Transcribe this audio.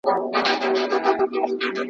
ړوند ډاکټر په ګڼ ځای کي اوږده کیسه ونه کړه.